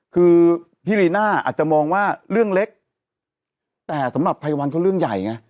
คือพี่รีน่าอาจจะมองว่าเรื่องเล็กแต่สำหรับไทยวันเขาเรื่องใหญ่ไง